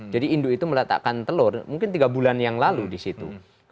jadi induk itu meletakkan telur mungkin tiga bulan yang lalu di situ